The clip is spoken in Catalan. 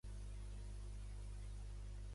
Què va dir primer Rivera?